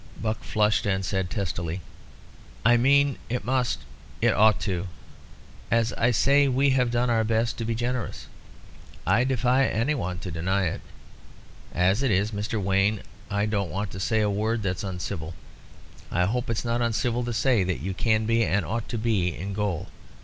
Buck flushed and said testily "I mean it must it ought to. As I say, we've done our best to be generous; I defy any one to deny it. As it is, Mr. Wayne, I don't want to say a word that's uncivil. I hope it's not uncivil to say that you can be, and ought to be, in gaol.